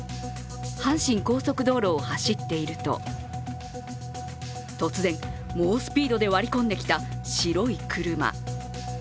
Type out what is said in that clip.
阪神高速道路を走っていると突然、猛スピードで割り込んできた白い車。